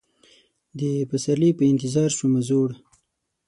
د پسرلي په انتظار شومه زوړ